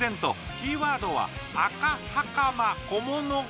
キーワードは赤はかま小物顔。